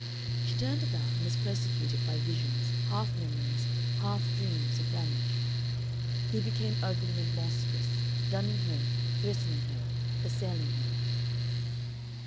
She turned about, and was persecuted by visions, half memories, half dreams, of Ramage. He became ugly and monstrous, dunning her, threatening her, assailing her.